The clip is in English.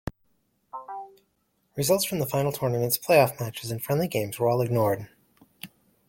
Results from the final tournaments, Play-off matches and friendly games were all ignored.